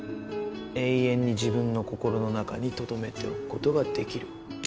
永遠に自分の心の中に留めておくことができる。